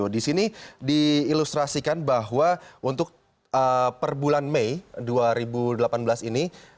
di sini diilustrasikan bahwa untuk per bulan mei dua ribu delapan belas ini